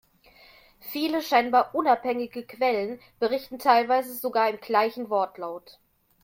Viele scheinbar unabhängige Quellen, berichten teilweise sogar im gleichen Wortlaut.